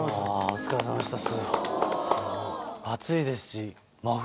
お疲れさまでした。